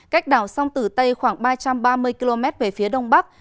cách đảo sông tử tây khoảng ba trăm ba mươi km về phía đông bắc